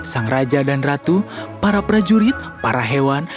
sang raja dan ratu para prajurit para hewan